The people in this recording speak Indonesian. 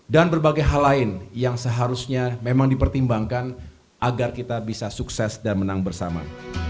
dan berbagai hal lain yang seharusnya memang dipertimbangkan agar kita bisa sukses dan menang bersama